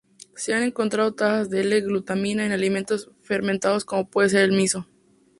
Se han encontrado trazas de L-Glutamina en alimentos fermentados como puede ser el miso.